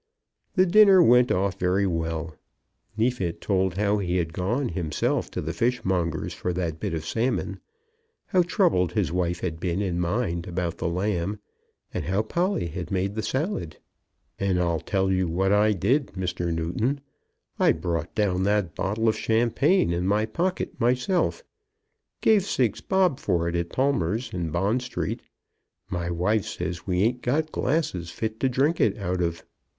The dinner went off very well. Neefit told how he had gone himself to the fishmonger's for that bit of salmon, how troubled his wife had been in mind about the lamb, and how Polly had made the salad. "And I'll tell you what I did, Mr. Newton; I brought down that bottle of champagne in my pocket myself; gave six bob for it at Palmer's, in Bond Street. My wife says we ain't got glasses fit to drink it out of."